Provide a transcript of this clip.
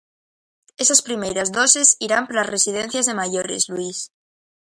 Esas primeiras doses irán para as residencias de maiores, Luís.